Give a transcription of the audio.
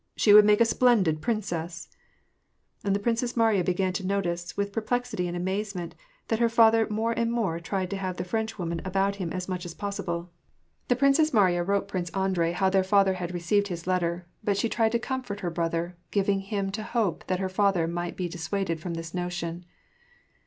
" She would make a splendid princess !" And the Princess Mariya began to notice, with perplexity and amazement, that her father more and more tried to have the Frenchwoman about him as much as possible. The Princess WAR AND PEACE. 241 Mariya wrote Prince Andrei how their father had received his letter ; but she tried to comfort her brother, giving him to hope that her father might be dissuaded from this notion.